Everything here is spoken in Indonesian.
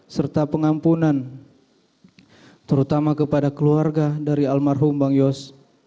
serta pengampunan terutama kepada keluarga dari almarhum bang yos